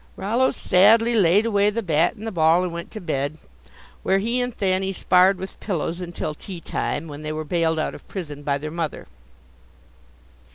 Rollo sadly laid away the bat and the ball and went to bed, where he and Thanny sparred with pillows until tea time, when they were bailed out of prison by their mother.